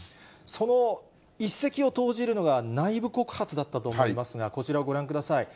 その一石を投じるのが、内部告発だったと思いますが、こちらをご覧ください。